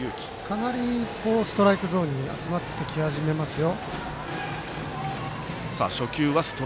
かなりストライクゾーンに集まってき始めますよ。